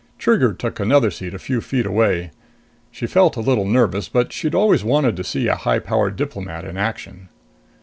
Trigger took another seat a few feet away. She felt a little nervous, but she'd always wanted to see a high powered diplomat in action.